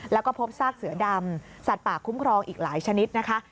แล้วก็พบซากเสือดำสัตว์ป่าคุ้มครองอีกหลายชนิดนะคะ